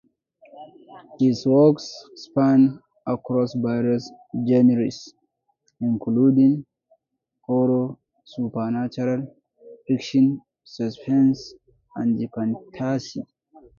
His works span across various genres, including horror, supernatural fiction, suspense, and fantasy.